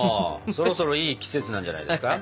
そろそろいい季節なんじゃないですか？